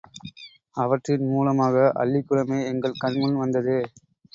இவற்றின் மூலமாக அல்லிக்குளமே எங்கள் கண் முன் வந்தது.